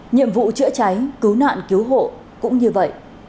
nhiệm vụ chữa cháy cứu nạn cứu hộ cũng như vậy